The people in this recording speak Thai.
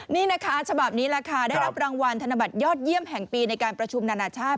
นี่นะคะฉบับนี้แหละค่ะได้รับรางวัลธนบัตรยอดเยี่ยมแห่งปีในการประชุมนานาชาติ